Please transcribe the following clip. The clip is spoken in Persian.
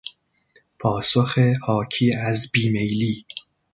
پاسخ حاکی از بیمیلی